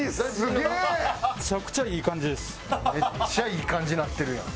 めっちゃいい感じになってるやん。